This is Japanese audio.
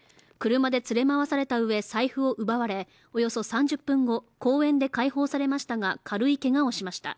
車で連れ回されたうえ、財布を奪われ、およそ３０分後、公園で解放されましたが軽いけがをしました。